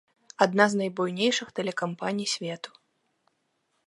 Адна з найбуйнейшых тэлекампаній свету.